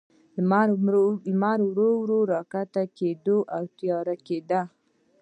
لمر ورو، ورو کښته کېده، او تیاره کېده.